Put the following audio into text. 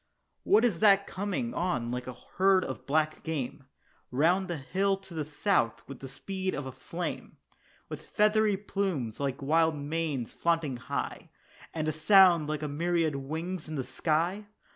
What is that coming on like a herd of black game, Round the hill to the south, with the speed of a flame, With feathery plumes like wild manes flaunting high, And a sound like a myriad wings in the sky?